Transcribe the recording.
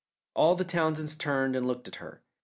All the Townsends turned and looked at her.